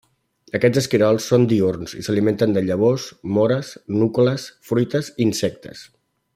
Aquests esquirols són diürns i s'alimenten de llavors, móres, núcules, fruites i insectes.